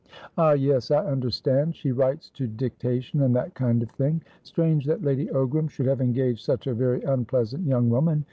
"Ah, yes, I understand. She writes to dictation, and that kind of thing. Strange that Lady Ogram should have engaged such a very unpleasant young woman.